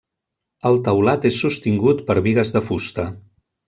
El teulat és sostingut per bigues de fusta.